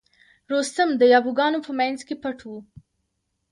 رستم د یابو ګانو په منځ کې پټ و.